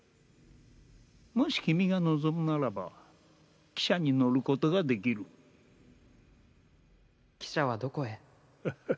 もし君が望むならば汽車に乗ることができる汽車はどこへ？